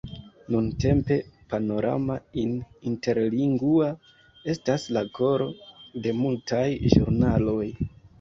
Nuntempe, Panorama In Interlingua estas la koro de multaj ĵurnaloj.